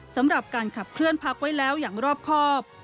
สำหรับการขับเคลื่อนพักไว้แล้วอย่างรอบครอบ